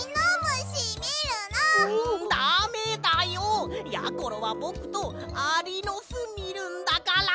だめだよ！やころはぼくとアリのすみるんだから！